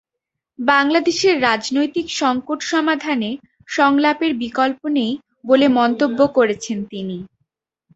বাংলাদেশের রাজনৈতিক সংকট সমাধানে সংলাপের বিকল্প নেই বলে মন্তব্য করেছেন তিনি।